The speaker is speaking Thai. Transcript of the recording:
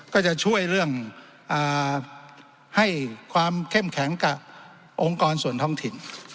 ก็จะช่วยเรื่องให้ความเข้มแข็งกับองค์กรส่วนท้องถิ่น